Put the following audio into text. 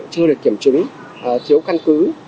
chưa được kiểm chứng thiếu căn cứ